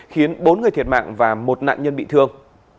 khiến bốn người thiệt mạng và một nạn nhân bị thương